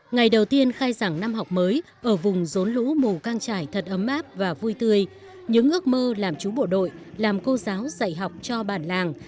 ngày đầu tiên khai giảng năm học mới ở vùng rốn lũ mù căng trải thật ấm áp và vui tươi những ước mơ làm chú bộ đội làm cô giáo dạy học cho bản làng